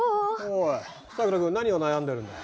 おおさくら君何を悩んでるんだい？